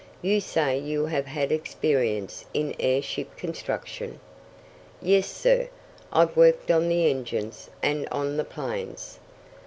You say you have had experience in airship construction?" "Yes, sir. I've worked on the engines, and on the planes."